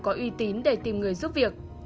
có uy tín để tìm người giúp việc